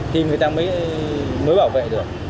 thì người ta mới bảo vệ được